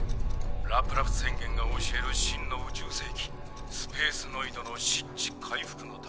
ラプラス宣言が教える真の宇宙世紀スペースノイドの失地回復のために。